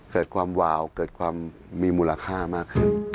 เกิดความวาวเกิดความมีมูลค่ามากขึ้น